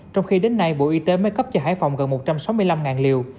trong khi đến nay bộ y tế mới cấp cho hải phòng gần một trăm sáu mươi năm liều